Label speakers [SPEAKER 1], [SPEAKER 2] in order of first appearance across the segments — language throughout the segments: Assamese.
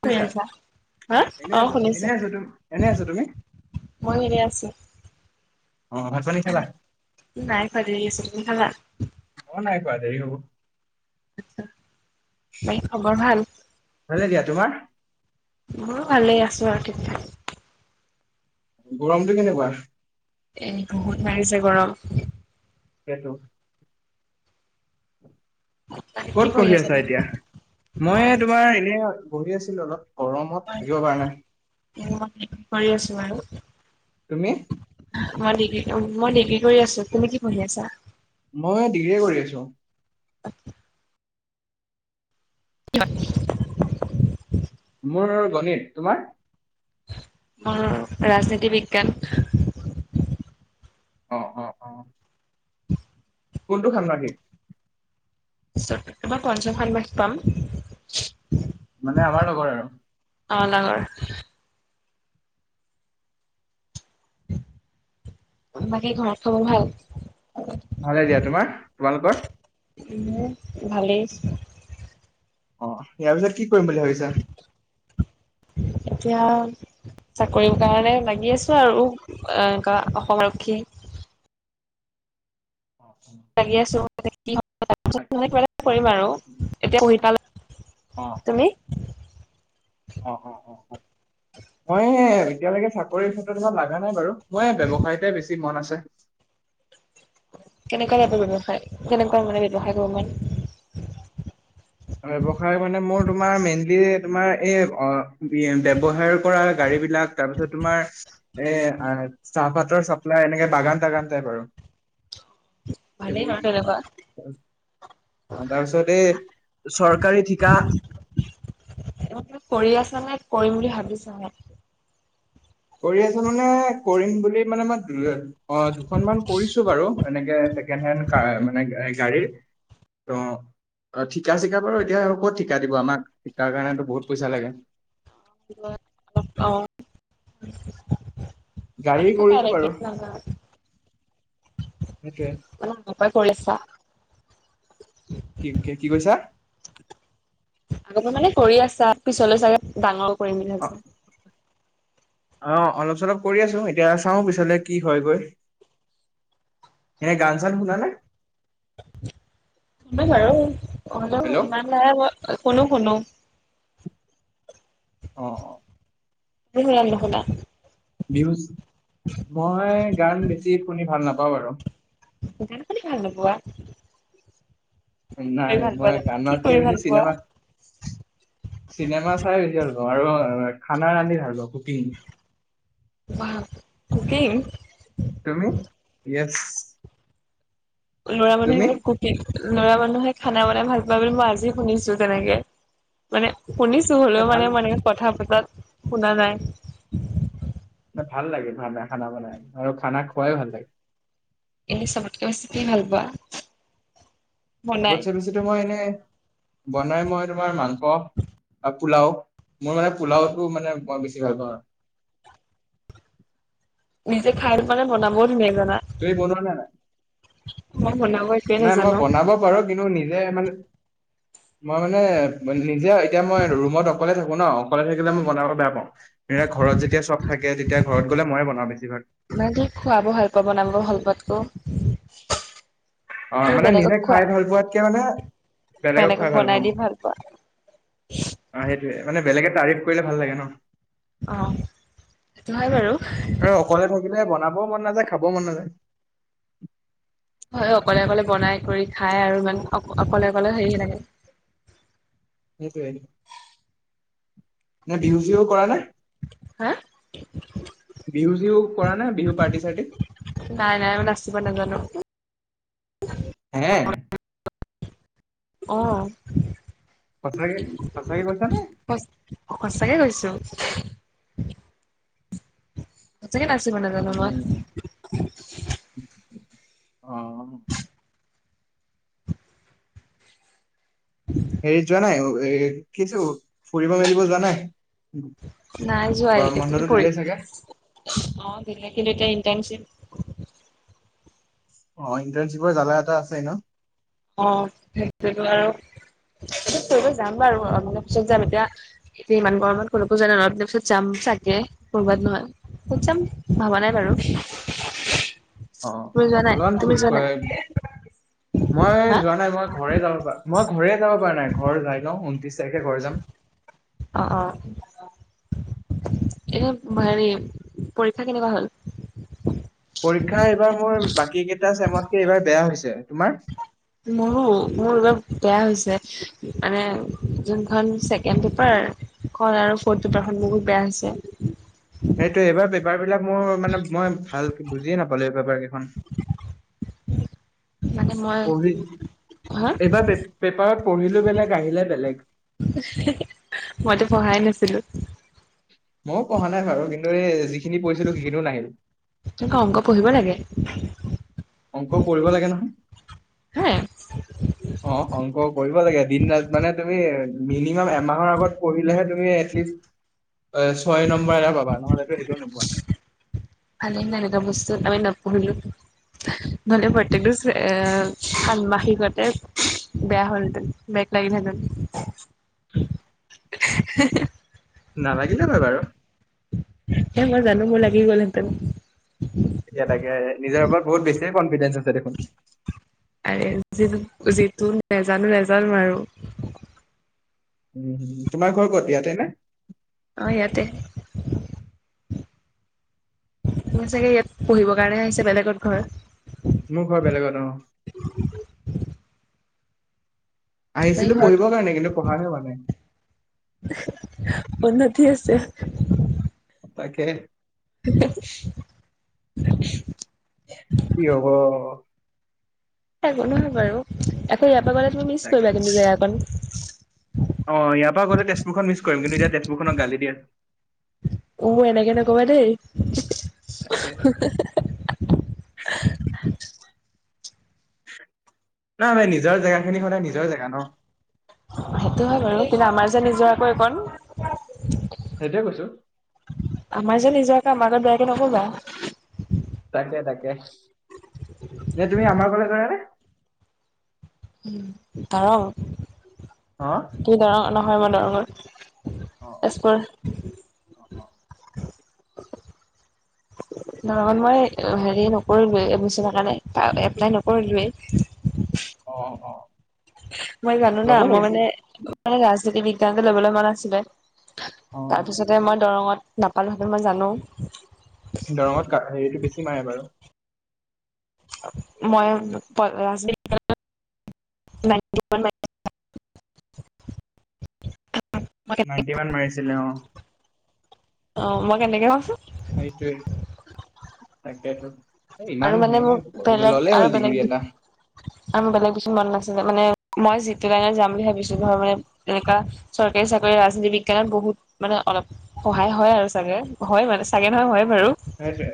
[SPEAKER 1] শুনি
[SPEAKER 2] বুজিছা
[SPEAKER 1] আছা হা
[SPEAKER 2] এনে
[SPEAKER 1] অহঁ
[SPEAKER 2] আছো এনে
[SPEAKER 1] শুনিছোঁ।
[SPEAKER 2] আছো তুম এনে আছো তুমি
[SPEAKER 1] মই এনে আছোঁ।
[SPEAKER 2] অহঁ ভাত পানী খালা
[SPEAKER 1] নাই খোৱা দেৰি আছে তুমি খালা
[SPEAKER 2] অ নাই খোৱা খোৱা দেৰি হব
[SPEAKER 1] আচ্ছা তাই খবৰ ভাল।
[SPEAKER 2] ভালে দিয়া তোমাৰ
[SPEAKER 1] মোৰো ভালেই আছোঁ আৰু দিয়া
[SPEAKER 2] গৰমটো কেনেকুৱা
[SPEAKER 1] এ বহুত মাৰিছে গৰম
[SPEAKER 2] সেইটো
[SPEAKER 1] কি
[SPEAKER 2] ক'ত
[SPEAKER 1] কৰি
[SPEAKER 2] পঢ়ি আছা
[SPEAKER 1] তুমি
[SPEAKER 2] এতিয়া মই তোমাৰ এনে পঢ়ি আছিলো অলপ গৰমত
[SPEAKER 1] মই
[SPEAKER 2] থাকিব পৰা নাই
[SPEAKER 1] মই ডিগ্ৰী কৰি আছো বাৰু
[SPEAKER 2] তুমি?
[SPEAKER 1] মই ডিগ্ৰী মই ডিগ্ৰী কৰি আছোঁ। তুমি কি পঢ়ি আছা?
[SPEAKER 2] মই ডিগ্ৰীয়ে কৰি আছো।
[SPEAKER 1] আচ্ছা। [unintelligible]
[SPEAKER 2] মোৰ গণিত তোমাৰ?
[SPEAKER 1] মোৰ ৰাজনীতি বিজ্ঞান।
[SPEAKER 2] অঁ অঁ অঁ। কোনোটো ষান্মাসিক?
[SPEAKER 1] [unintelligible]
[SPEAKER 2] মানে আমাৰ লগৰ আৰু?
[SPEAKER 1] অ লগৰ। বাকী ঘৰত খবৰ ভাল?
[SPEAKER 2] ভালে দিয়া তোমাৰ তোমালোকৰ?
[SPEAKER 1] মোৰ ভালেই।
[SPEAKER 2] অ ইয়াৰ পিছত কি কৰিম বুলি ভাবিছা?
[SPEAKER 1] এতিয়া চাকৰিৰ কাৰণে লাগি আছো আৰু এ অসম আৰক্ষী।
[SPEAKER 2] অ
[SPEAKER 1] লাগি আছো [unintelligible] তুমি?
[SPEAKER 2] অ অ অ অ মই এতিয়ালৈকে চাকৰি ক্ষেত্ৰত ইমান লাগা নাই বাৰু। মই ব্যৱসায়তে বেছি মন আছে।
[SPEAKER 1] কেনেকুৱা টাইপৰ ব্যৱসায়, কেনেকুৱা মানে ব্যৱসায় কৰিব মন?
[SPEAKER 2] ব্যৱসায় মানে মোৰ তোমাৰ মেইনলি তোমাৰ, এই অ ব্যৱসায় কৰা গাড়ী বিলাক তাৰপিছত তোমাৰ, এ চাহপাতৰ চাপ্লাই এনেকে বাগান চাগান যোই বাৰু।
[SPEAKER 1] ভালেই বাৰু তেনেকুৱা।
[SPEAKER 2] অ তাৰ পিছত এই চৰকাৰী ঠিকা
[SPEAKER 1] কৰি আছা নে কৰিম বুলি ভাবিছা হে?
[SPEAKER 2] কৰি আছো মানে কৰিম বুলি মানে মই অ দুখনমান কৰিছো বাৰু, এনেকে ছেকেণ্ড হেণ্ড মানে গাড়ীৰ। [unintelligible] অ ঠিকা চিকা বাৰু এতিয়া আৰু ক'ত ঠিকা দিব আমাক, ঠিকাৰ কাৰণেতো বহুত পইচা লাগে।
[SPEAKER 1] [unintelligible] [unintelligible]
[SPEAKER 2] গাড়ী কৰিছো
[SPEAKER 1] মানে
[SPEAKER 2] বাৰু সেইটোৱে
[SPEAKER 1] ঘৰপাই কৰি আছা?
[SPEAKER 2] কি কি কি কৈছা?
[SPEAKER 1] আগতে মানে কৰি আছা পিছলৈ চাগে ডাঙৰ কৰিম বুলি
[SPEAKER 2] অ
[SPEAKER 1] ভাবিছা?
[SPEAKER 2] অ অলপ চলপ কৰি আছো, এতিয়া চাও পিছলে কি হয় গৈ। এনে গান চান শুনা নে?
[SPEAKER 1] শুনো বাৰু হলেও
[SPEAKER 2] হেল্ল'
[SPEAKER 1] ইমান নাই মই, শুনো শুনো।
[SPEAKER 2] অঁ অঁ।
[SPEAKER 1] তুমি শুনা নে নুশুনা?
[SPEAKER 2] ভিউজ, মই গান বেছি শুনি ভাল নাপাওঁ বাৰু।
[SPEAKER 1] গান শুনি ভাল নোপোৱা? কৰি
[SPEAKER 2] নাই
[SPEAKER 1] ভাল
[SPEAKER 2] মই
[SPEAKER 1] পোৱা কি
[SPEAKER 2] গানতকে
[SPEAKER 1] কৰি
[SPEAKER 2] বেছি
[SPEAKER 1] ভাল পোৱা
[SPEAKER 2] চিনেমা, চিনেমা চাই বেছি ভাল পাওঁ। আৰু খানা ৰান্ধি ভাল পাওঁ। Cooking
[SPEAKER 1] wow! কুকিং?
[SPEAKER 2] তুমি? ইয়েছ।
[SPEAKER 1] ল'ৰা মানুহে এইবোৰ কুকিং ল'ৰা মানুহে খানা বনাই ভাল পায় বুলি মই আজি শুনিছো তেনেকে, মানে শুনিছো হলেও
[SPEAKER 2] ভাল
[SPEAKER 1] মানে মই এনেকে কথা পতাত শুনা নাই।
[SPEAKER 2] ভাল লাগে ভানা খানা বনাই আৰু খানা খোৱাই ভাল লাগে।
[SPEAKER 1] এনে চবতকে বেছি কি ভাল পোৱা? বনাই?
[SPEAKER 2] চবতকে বেছি ত মই এনেই বনাই মই তোমাৰ মাংস পোলাও মোৰ মানে পোলাওটো মানে মই বেছি ভাল পাওঁ আৰু।
[SPEAKER 1] নিজে খাই মানে বনাব
[SPEAKER 2] তুমি বনোৱা নে নাই?
[SPEAKER 1] মই বনাব একোৱে
[SPEAKER 2] নাই মই
[SPEAKER 1] নাজানো।
[SPEAKER 2] বনাব পাৰো কিন্তু নি মানে, মই মানে নিজে এতিয়া মই ৰুমত অকলে থাকো ন কলে থাকিলে মই বনাবলৈ বেয়া পাওঁ ঘৰত যেতিয়া চব থাকে তেতিয়া ঘৰত গ'লে ময়ে বনাওঁ বেছি ভাগ।
[SPEAKER 1] খোৱাব ভাল পোৱা বনাব ভাল পোৱাতকৌ?
[SPEAKER 2] অ মানে নিজে খাই ভাল পোৱাতকে মানে বেলেগক খুৱাই ভাল
[SPEAKER 1] বনাই
[SPEAKER 2] পাওঁ।
[SPEAKER 1] দি পোৱা।
[SPEAKER 2] অ সেইটোয়ে মানে বেলেগে তাৰিফ কৰিলে ভাল লাগে ন।
[SPEAKER 1] অ' সেইটো হয় বাৰু।
[SPEAKER 2] আৰু অকলে থাকিলে বনা ব মন নাযায় খাব মন নাযায়।
[SPEAKER 1] হয় অকলে অকলে বনাই কৰি খাই আৰু ইমান অ অকলে অকলে হেৰি লাগে
[SPEAKER 2] [inaudible] সেইটোৱে নে বিহু চিহু কৰা নে?
[SPEAKER 1] হা?
[SPEAKER 2] বিহু চিহু কৰা নাই বিহু পাৰ্টি চাৰ্টি?
[SPEAKER 1] নাই নাই নাচিব নাজানো।
[SPEAKER 2] হে
[SPEAKER 1] অ।
[SPEAKER 2] সঁচাকে সঁচাকে কৈছা নে?
[SPEAKER 1] অ সচাঁকে কৈছো। সঁচাকে নাচিব নাজানো মই।
[SPEAKER 2] উম অ। হেৰিত যোৱা নাই এ কি আছিল ফুৰিব মেলিব যোৱা নাই?
[SPEAKER 1] নাই যোৱা
[SPEAKER 2] গৰম
[SPEAKER 1] এতিয়াটো
[SPEAKER 2] বন্ধটো
[SPEAKER 1] পঢ়
[SPEAKER 2] দিলেই চাগে
[SPEAKER 1] অ বেলেগ খিনি এতিয়া ইণ্টাৰ্নশ্বিপ।
[SPEAKER 2] অ ইণ্টাৰ্ণশ্বিপৰ জ্বালা এটা আছে ন।
[SPEAKER 1] অ সেইটোয়েইটো আৰু। ফুৰিব যাম বাৰু অলপ দিনৰ পিছত যাম, এতিয়া এতিয়া ইমান গৰমত ক'লৈকো যোৱা নাই অলপ দিনৰ পিছত যাম। চাগে কৰ'বাত নহয় ক'ত চাম ভবা নাই বাৰু।
[SPEAKER 2] অ
[SPEAKER 1] তুমি যোৱা নাই
[SPEAKER 2] অলন
[SPEAKER 1] তুমি যোৱা
[SPEAKER 2] ফুৰিব
[SPEAKER 1] নাই
[SPEAKER 2] মই
[SPEAKER 1] হা
[SPEAKER 2] যোৱা নাই মই ঘৰে যাব প মই ঘৰে যাব পৰা নাই ঘৰ যাই লওঁ উনত্ৰিশ তাৰিখে ঘৰ যাম।
[SPEAKER 1] অ অ। এ হেৰি পৰীক্ষা কেনেকুৱা হ'ল?
[SPEAKER 2] পৰীক্ষা এইবাৰ মোৰ বাকী কেইটা চেমতকে এইবাৰ বেয়া হৈছে তোমাৰ
[SPEAKER 1] মোৰো মোৰ অলপ বেয়া হৈছে। মানে, যোনখন ছেকেণ্ড পেঁপাৰ কল আৰু ফৰ্ট পেঁপাৰ খন বহুত বেয়া হৈছে।
[SPEAKER 2] সেইটো এইবাৰ পেঁপাৰ বিলাক মোৰ মানে, মই ভালকে বুজিয়ে নাপালোঁ। এই পেঁপাৰ খন।
[SPEAKER 1] মানে মই
[SPEAKER 2] পঢ়ি,
[SPEAKER 1] হা
[SPEAKER 2] এইবাৰ পেপাৰত পঢ়িলোঁ বেলেগ, আহিলে বেলেগ।
[SPEAKER 1] মইতো পঢ়াই নাছিলোঁ।
[SPEAKER 2] মইও পঢ়া নাই বাৰু। কিন্তু, এই যিখিনি পঢ়িছিলোঁ সেইখিনিও নাহিল।
[SPEAKER 1] তেনেকুৱা অংক পঢ়িব লাগে
[SPEAKER 2] অংক কৰিব লাগে নহয়?
[SPEAKER 1] হা
[SPEAKER 2] অ'! অংক কৰিব লাগে। দিন ৰাত মানে, তুমি মিনিমাম এমাহৰ আগত পঢ়িলেহে, তুমি এটলিষ্ট এ, ছয় নম্বৰ এটা পাবা। নহ'লে সেইটো নোপোৱা।
[SPEAKER 1] ত' আমি নপঢ়িলোঁ। ধনে প্ৰত্যেয়েকটো চোৱে [unintelligible] গতে বেয়া হ'লহেতেন, ব্ৰেক লাগিলহেঁতেন।
[SPEAKER 2] উম!
[SPEAKER 1] [unintelligible]
[SPEAKER 2] নালাগিলে হয় বাৰু।
[SPEAKER 1] এ, মই জানোঁ, মোৰ লাগি গ'লহেঁতেন।
[SPEAKER 2] কেতিয়া লাগে। নিজৰ ওপৰত বহুত বেছিয়ে কনফিডেঞ্চ আছে দেখোন।
[SPEAKER 1] আৰে, যিটো, যিটো, নাজানোঁ নেজানোঁ আৰু।
[SPEAKER 2] উম, তোমাৰ ঘৰ ক'ত ইয়াতে নে?
[SPEAKER 1] অ'! ইয়াতে। চাগে ইয়াত পঢ়িবৰ কাৰণে আহিছে, বেলেগত ঘৰ।
[SPEAKER 2] মোৰ ঘৰ বেলেগত। অ'!
[SPEAKER 1] তাই
[SPEAKER 2] আহিছিলোঁ
[SPEAKER 1] ঘৰত
[SPEAKER 2] পঢ়িবৰ কাৰণে। কিন্তু, পঢ়াহে হোৱা নাই।
[SPEAKER 1] ঠিক আছে।
[SPEAKER 2] তাকে, কি হ'ব।
[SPEAKER 1] নহয় বাৰু। আকৌ, ইয়াৰ পৰা গ'লে তুমি মিছ
[SPEAKER 2] তাকে
[SPEAKER 1] কৰিবা। কিন্তু, জেগাখন।
[SPEAKER 2] অ'! ইয়াৰ পৰা গ'লে, তেজপুৰখন মিছ কৰিম। কিন্তু, এতিয়া তেজপুৰখনক গালি দি আছোঁ।
[SPEAKER 1] উ! এনেকে নকবা।
[SPEAKER 2] তাকে
[SPEAKER 1] [unintelligible]
[SPEAKER 2] নাই মই, নিজৰ জেগা খিনি সদায়, নিজৰ জেগা ন'।
[SPEAKER 1] সেইটো হয় বাৰু। কিন্তু, আমাৰ যে নিজৰ আ'ক এইকণ।
[SPEAKER 2] সেইটোৱে কৈছোঁ।
[SPEAKER 1] আমাৰ যে নিজৰ আমাৰ আগত বেয়াকে নকবা।
[SPEAKER 2] তাকে, তাকে। নে, তুমি আমাৰ ঘৰলে যোৱাগে নে?
[SPEAKER 1] দৰং,
[SPEAKER 2] অ
[SPEAKER 1] কি দৰং? নহয় মই দৰঙত।
[SPEAKER 2] অ'! অ'! অ'!
[SPEAKER 1] নহয় মই, হেৰি নকৰিলোঁৱে এইবছৰ কাৰণে, এপ্লাই নকৰিলোঁৱেই।
[SPEAKER 2] অ'! অ'!
[SPEAKER 1] মই জানোঁ না।
[SPEAKER 2] ল'ব
[SPEAKER 1] মই
[SPEAKER 2] লাগিছিল
[SPEAKER 1] মানে, মানে, ৰাজনীতি বিজ্ঞানটো ল'বলৈ মন আছিলে।
[SPEAKER 2] অ
[SPEAKER 1] তাৰপিছতে, মই দৰঙত নাপালোঁ সেইটো মই জানোঁ।
[SPEAKER 2] দৰঙত হেৰিটো বেছি মাৰে বাৰু।
[SPEAKER 1] মই [unintelligible] [unintelligible]
[SPEAKER 2] নাইনটি ওৱান মাৰিছিলে। অ'!
[SPEAKER 1] অ'! মই কেনেকে কৈছোঁ!
[SPEAKER 2] তাকেইেতো, ইমান
[SPEAKER 1] আৰু মানে
[SPEAKER 2] হেৰি
[SPEAKER 1] মোৰ
[SPEAKER 2] নাই,
[SPEAKER 1] বেলেগ
[SPEAKER 2] ল'লেই
[SPEAKER 1] আৰু
[SPEAKER 2] হ'ল ডিগ্ৰী
[SPEAKER 1] বেলেগ
[SPEAKER 2] এটা।
[SPEAKER 1] [unintelligible] বেলেগ বেছি মন নাছিলে। মানে, মই যিটো লাইনত যাম বুলি ভাবিছোঁ, ধৰ মানে, এনেকা চৰকাৰী চাকৰি ৰাজনীতি বিজ্ঞানত বহুত মানে অলপ সহায় হয় আৰু চাগে হয় মানে চাগে নহয় হয়। বাৰু
[SPEAKER 2] সেইটোৱে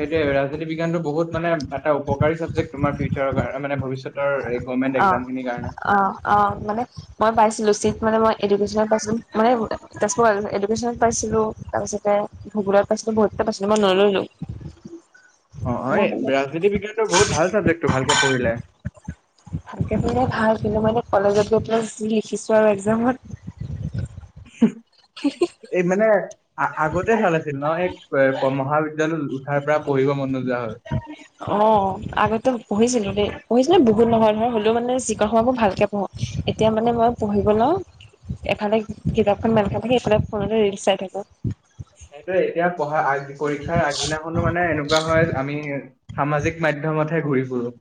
[SPEAKER 2] সেইটো ৰাজনীতি বিজ্ঞান বহুত মানে এটা উপকাৰী ছাবজেক্ট তোমাৰ ফিউচাৰ কাৰণে মানে ভৱিষ্যত ৰেকুমেড
[SPEAKER 1] অ
[SPEAKER 2] এক্জাম খিনিৰ কাৰণে।
[SPEAKER 1] অ অ মানে মই পাইছিলো চিট মানে মই এডুকেশ্বনত পাইছিলো মানে তেজপুৰত এডুকেশ্যনত পাইছিলো তাৰপিছত তাৰিছতে ভোগোলত পাইছিলো বহুততে পাইছিলো মই নললো।
[SPEAKER 2] অ অ এই
[SPEAKER 1] মানে
[SPEAKER 2] ৰাজনীতি বিজ্ঞানটো বহুত ভাল চাবজেক্টটো ভালকে পঢ়িলে।
[SPEAKER 1] ভালকে পঢ়িলে ভাল কিন্তু মানে কলেজত গৈ পেলাই যি লিখিছো আৰু একজামত
[SPEAKER 2] [unintelligible] এই মানে আগতে ভাল আছিল ন এই মহাবিদ্যালয় উঠাৰ পৰা পঢ়িব মন নো
[SPEAKER 1] অ আগতে পঢ়িছিলো দেই। পঢ়িছো বহুত নহয় নহয় হলেও মানে যিকন সময় মই ভালকে পঢ়ো এতিয়া মানে মই পঢ়িব লও এফালে কিতাপখন মেল খাই থাকি ইফালে ফোনতে ৰিল চাই থাকো।
[SPEAKER 2] সেইটোয়ে এতিয়া পঢ়া আগ পৰীক্ষাৰ আগদিনাখনো মানে এনেকোৱা হয় আমি সামাজিক মাধ্যমতহে ঘূৰি ফুৰো।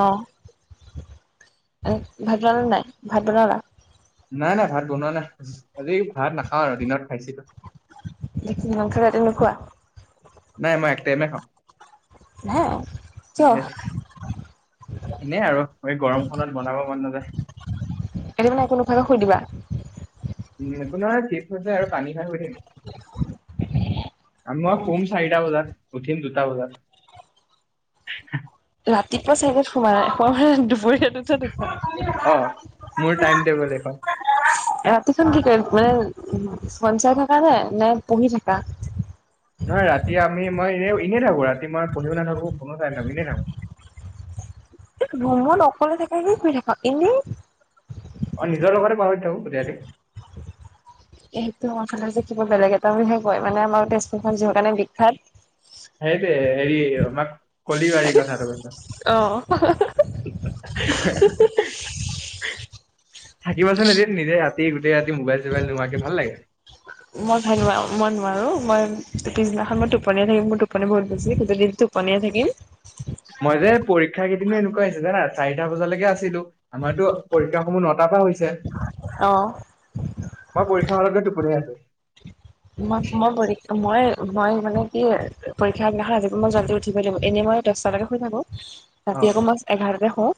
[SPEAKER 1] অ ভাত বনালা নাই ভাত বনালা
[SPEAKER 2] নাই নাই ভাত বনোৱা নাই আজি ভাত নাখাওঁ আৰু দিনত। খাইছিলো
[SPEAKER 1] মাংস ৰাতি নোখোৱা
[SPEAKER 2] নাই মই এক টাইমে খাও।
[SPEAKER 1] হে কিয়
[SPEAKER 2] এনে আৰু এই গৰমখনত বনাব মন নেযায়
[SPEAKER 1] এতিয়া মানে একো নোখোৱাকৈ শুই দিবা।
[SPEAKER 2] উম, একো নহয় চিপছ আৰু পানী খাই শুই থাকিম মই শুম চাৰিটা বজাত উঠিম দু টা বজাত।
[SPEAKER 1] ৰাতিপুৱা চাৰি বজাত শুবা আকৌ মানে দুপৰীয়া দুটাত উঠা।
[SPEAKER 2] অ মোৰ টাইম টেবুল সেইখন।
[SPEAKER 1] তখন কি কৰি মানে ফোন চাই থাকা নে, নে পঢ়ি থাকা?
[SPEAKER 2] নহয় ৰাতি আমি মই এনে এনেই থাকো ৰাতি মই পঢ়িব নাথাকো ফুন চাই নথাকো এনেই থাকো। [inaudible]
[SPEAKER 1] ৰুমত অকলে থাকে এনে শুই থাকক এনেই
[SPEAKER 2] অ নিজৰ লগতে কথা পাতি থাকো গোটেই ৰাতি
[SPEAKER 1] এইটো আমাৰ ফালে যে কিবা বেলেগ এটা বুলি ভাবিব মানে আমাৰ তেজপুৰখন যিহৰ কাৰণে বিখ্যাত।
[SPEAKER 2] সেইটোৱে হেৰি আমাক কলী বাৰীৰ কথাটো কৈ
[SPEAKER 1] হা হা হু হু হু
[SPEAKER 2] থাকিবাচোন এদিন নিজে গোটেই ৰাতি মোবাইল চোবাইল নোহোৱাকে ভাল লাগে
[SPEAKER 1] মই ভাল মই নোৱাৰো। মই পিছদিনাখন মই টোপনীয়াই থাকিম মোৰ টোপনি বহুত বেছি গোটেই দিন টোপনিয়াই থাকিম
[SPEAKER 2] মই যে পৰীক্ষা কেইদিনো এনেকোৱা আছিলো জানা চাৰিটা বজালৈকে আছিলো। আমাৰতো পৰীক্ষা সমূহ নটাৰ পৰা হৈছে
[SPEAKER 1] অহ
[SPEAKER 2] হলতে টোপনিয়াই আছো
[SPEAKER 1] মই মই পৰি মই মই মানে এই পৰীক্ষা আগদিনাখন ৰাতিপুৱা মই জল্দি উঠিব লাগিব এনেই মই দহটালৈকে শুই থাকো
[SPEAKER 2] অ
[SPEAKER 1] ৰাতি আকৌ মাছ এঘাৰতাতে শুও।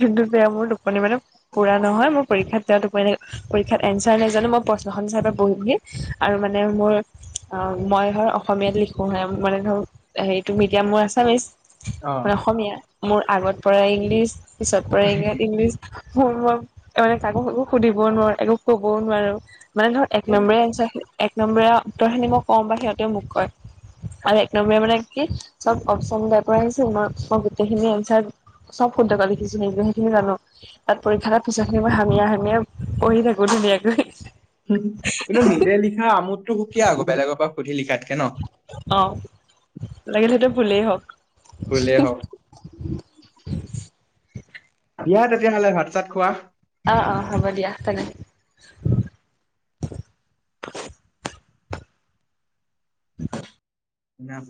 [SPEAKER 1] কিন্তু বেয়া মোৰ টোপনি মানে পুৰা নহয় মোৰ পৰীক্ষাত বেয়া টোপনি পৰীক্ষাত এনচ চাই নাই জানো মই প্ৰশ্নখন চাই পঢ়ি‌কিনি আৰু মানে মোৰ অ মই ধৰ অসমীয়াত লিখোহে মানে ধৰ হেৰিটো মিডিয়াম মোৰ আছামিচ।
[SPEAKER 2] অ
[SPEAKER 1] মানে অসমীয়া মোৰ আগত পৰা ইংলিছ পিছত পৰে ইংলিছ। মোৰ মই মানে কাকো একো সুধিবও নোৱাৰো একো ক'বও নোৱাৰো মানে ধৰ এক নম্বৰ এনচাৰ এক নম্বৰ উত্তৰখিনি মই কওঁ বা সিহঁতেও মোক কয়। আৰু এক নম্বৰ মানে কি চব অপচন বাই পৰা আহিছিল। মই ম গোটেইখিনি এনচাৰ। চব ফুন থকা দেখিছো। সেই সেইখিনি জানো তাত পৰীক্ষা এটা পইচা খিনি মই হামিয়ে হামিয়ে পঢ়ি থাকোঁ‌। দিয়ক।
[SPEAKER 2] কিন্তু নিজে লিখা আমোদটো সুকীয়া আকৌ বেলেগৰ পৰা সুধি লিখা থাক
[SPEAKER 1] অ' লাগিলেও ভুলেই হওক।
[SPEAKER 2] ভলে আহক। দিয়া তেতিয়াহ'লে ভাত চাত খোৱা।
[SPEAKER 1] আহ অ' হ'ব দিয়া তেনে। [inaudible]
[SPEAKER 2] নাপায়।